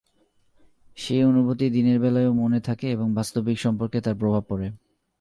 সেই অনুভূতি দিনের বেলায়ও মনে থাকে এবং বাস্তবিক সম্পর্কে তার প্রভাব পড়ে।